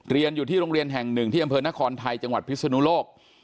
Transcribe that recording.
เรียนอยู่ที่โรงเรียนแห่งหนึ่งที่อำเภอนครไทยจังหวัดพิศนุโลก